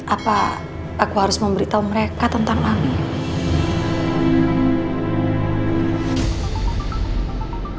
apa aku harus memberitahu mereka tentang ami